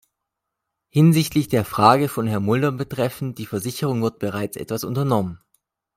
Hinsichtlich der Frage von Herrn Mulder betreffend die Versicherung wird bereits etwas unternommen.